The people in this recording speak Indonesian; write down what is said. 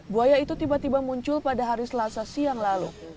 buaya itu tiba tiba muncul pada hari selasa siang lalu